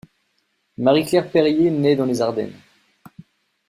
Marie-Claire Perrier naît dans les Ardennes.